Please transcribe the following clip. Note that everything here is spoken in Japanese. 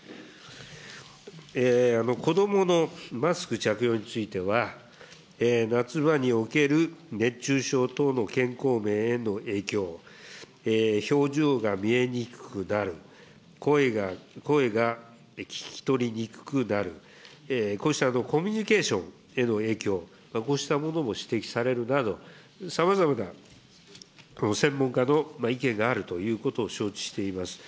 子どものマスク着用については、夏場における熱中症等の健康面への影響、表情が見えにくくなる、声が聞き取りにくくなる、こうしたコミュニケーションへの影響、こうしたものも指摘されるなど、さまざまな専門家の意見があるということを承知しています。